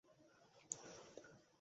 ঠিক আছে ঠিক আছে, ধন্যবাদ।